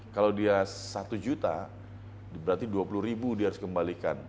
kalau dia satu juta berarti dua puluh ribu dia harus kembalikan